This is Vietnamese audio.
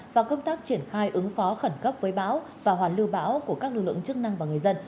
và công tác triển khai ứng phó khẩn cấp với bão và hoàn lưu bão của các lực lượng chức năng và người dân